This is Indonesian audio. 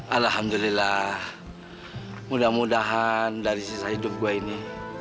alhamdulillah mudah mudahan dari sisa hidup gue ini